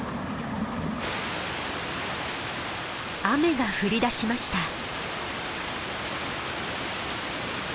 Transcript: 雨が降り出しました。